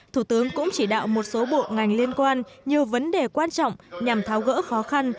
thủ tướng cũng chỉ đạo một số bộ ngành liên quan nhiều vấn đề quan trọng nhằm tháo gỡ khó khăn